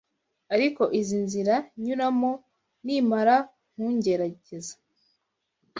Ariko izi inzira nyuramo; nimara kungerageza